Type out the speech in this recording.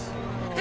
え？